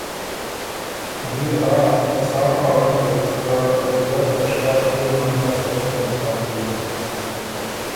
بيې آ که سا بو اغک که ا دُوګډ لشکر خوئ منځ نر سره په مقابله یِن